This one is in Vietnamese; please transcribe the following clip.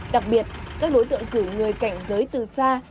đặc biệt các đối tượng cử người cảnh giới từ xa